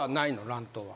乱闘は。